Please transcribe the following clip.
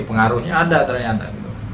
pengaruhnya ada ternyata